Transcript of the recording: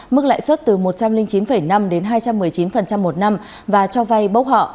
mức lãi suất từ một trăm linh chín năm đến hai trăm một mươi chín một năm và cho vay bốc họ